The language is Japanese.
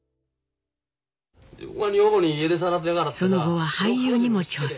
その後は俳優にも挑戦。